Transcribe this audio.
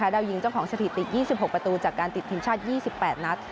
ดาวยิงเจ้าของสถิติ๒๖ประตูจากการติดทีมชาติ๒๘นัด